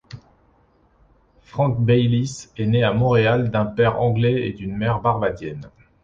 Frank Baylis est né à Montréal d'un père anglais et d'une mère barbadienne.